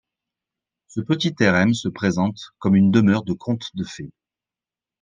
Ce petit Terem se présente comme une demeure de conte de fées.